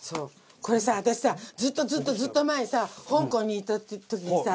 これさ私さずっとずっとずっと前さ香港に行った時にさ。